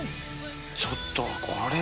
ちょっと、これは。